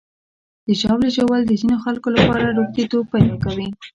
د ژاولې ژوول د ځینو خلکو لپاره روږديتوب پیدا کوي.